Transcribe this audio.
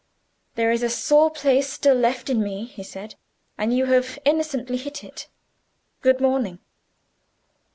"There is a sore place still left in me," he said; "and you have innocently hit it. Good morning."